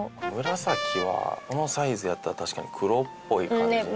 紫はこのサイズやったら確かに黒っぽい感じのね。